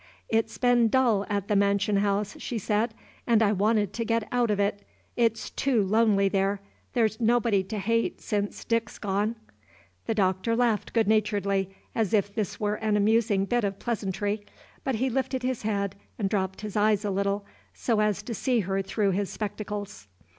"It's been dull at the mansion house," she said, "and I wanted to get out of it. It's too lonely there, there's nobody to hate since Dick's gone." The Doctor laughed good naturedly, as if this were an amusing bit of pleasantry, but he lifted his head and dropped his eyes a little, so as to see her through his spectacles.